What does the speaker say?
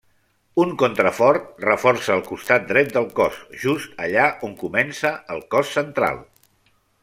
Un contrafort reforça el costat dret del cos, just allà on comença el cos central.